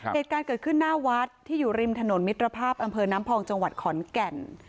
เหตุการณ์เกิดขึ้นหน้าวัดที่อยู่ริมถนนมิตรภาพอำเภอน้ำพองจังหวัดขอนแก่น